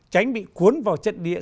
tránh bị cuốn vào trận địa